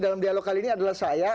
dalam dialog kali ini adalah saya